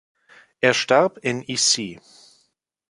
Er starb in Issy.